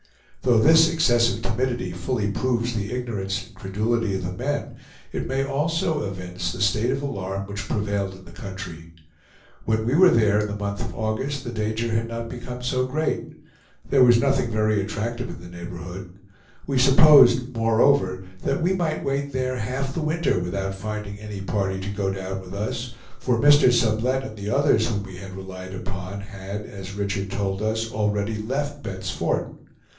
Though this excessive timidity fully proves the ignorance and credulity of the men, it may also evince the state of alarm which prevailed in the country. When we were there in the month of August, the danger had not become so great. There was nothing very attractive in the neighborhood. We supposed, moreover, that we might wait there half the winter without finding any party to go down with us; for Mr. Sublette and the others whom we had relied upon had, as Richard told us, already left Bent's Fort.